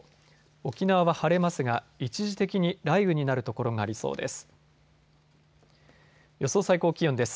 沖縄は晴れますが一時的に雷雨になるところがありそうです。